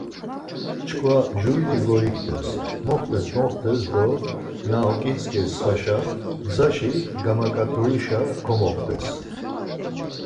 Çkva juriti goiktes, moxtes moxtes do na oǩitzǩes svaşa, gzaşi gamaǩaturişa komoxtes.